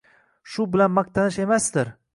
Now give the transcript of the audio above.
Shu bilan maqtanish emasdir.